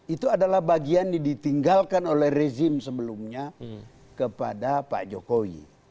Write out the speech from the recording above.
itu adalah bagian ditinggalkan oleh rezim sebelumnya kepada pak jokowi